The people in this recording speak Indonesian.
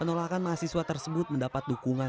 penolakan mahasiswa tersebut mendapat dukungan